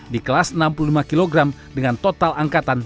di kelas enam puluh lima kg dengan total angkatan satu ratus lima puluh tiga kg